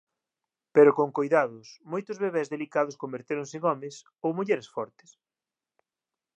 Pero con coidados, moitos bebés delicados convertéronse en homes ou mulleres fortes.